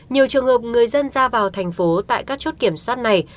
nhiều trường hợp người dân ra vào thành phố tại các chốt kiểm soát này